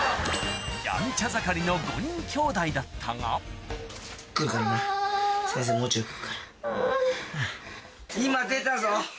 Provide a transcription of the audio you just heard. ・やんちゃ盛りの５人きょうだいだったが今出たぞ！